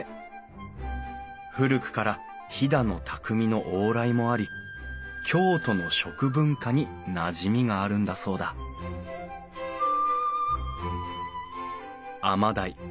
古くから飛騨の匠の往来もあり京都の食文化になじみがあるんだそうだアマダイ。